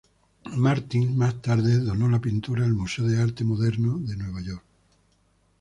Martins más tarde donó la pintura al Museo de Arte Moderno de Nueva York.